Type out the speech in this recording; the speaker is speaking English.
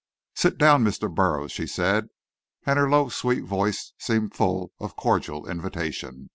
"Sit down, Mr. Burroughs," she said, and her low, sweet voice seemed full of cordial invitation.